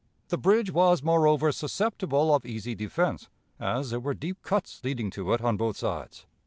The bridge was, moreover, susceptible of easy defense, as there were deep cuts leading to it on both sides.